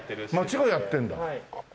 町がやってるんだ。